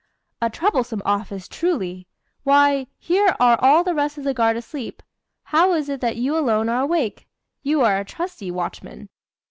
"A troublesome office, truly! Why, here are all the rest of the guard asleep. How is it that you alone are awake? You are a trusty watchman."